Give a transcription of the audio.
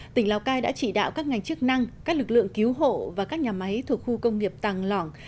tỉnh lào cai đã chỉ đạo các ngành chức năng các lực lượng cứu hộ và các nhà máy thuộc khu công nghiệp tàng lỏng